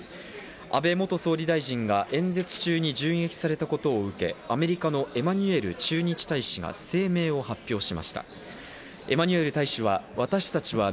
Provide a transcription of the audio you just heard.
安倍元総理大臣が演説中に銃撃されたことを受け、アメリカのエマニュエル駐日大使は声明を発表しました。